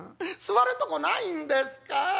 座るとこないんですか？